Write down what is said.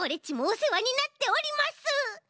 ちもおせわになっております！